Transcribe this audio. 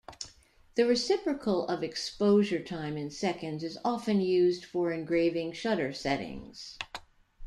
The reciprocal of exposure time in seconds is often used for engraving shutter settings.